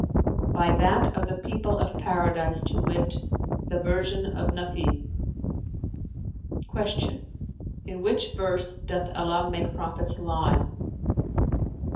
"By that of the people of Paradise, to wit, the version of Nαf'i." Q "In which verse doth Allah make prophets lie?"